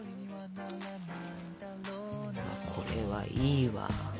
これはいいわ。